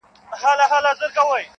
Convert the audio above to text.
• د قاضي معاش څو چنده ته رسېږې ,